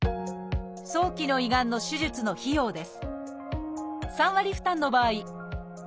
早期の胃がんの手術の費用です